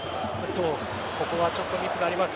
ここはちょっとミスがあります。